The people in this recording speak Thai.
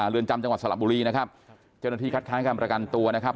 เรือนจำจังหวัดสระบุรีนะครับเจ้าหน้าที่คัดค้างการประกันตัวนะครับ